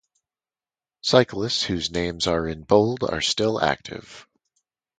Cyclists whose names are in bold are still active.